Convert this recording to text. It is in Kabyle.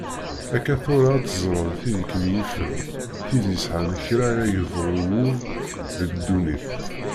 Akka tura ad teẓreḍ tid i kem-yifen, tid yesɛan kra ara yebɣu wul deg dunnit.